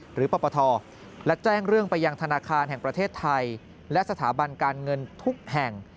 ปปทและแจ้งเรื่องไปยังธนาคารแห่งประเทศไทยและสถาบันการเงินทุกแห่ง